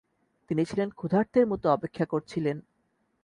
তিনি ছিলেন ক্ষুধার্থের মত অপেক্ষা করছিলেন।